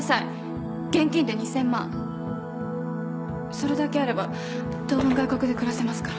それだけあれば当分外国で暮らせますから。